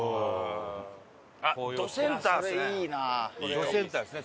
どセンターですね